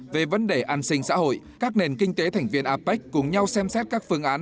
về vấn đề an sinh xã hội các nền kinh tế thành viên apec cùng nhau xem xét các phương án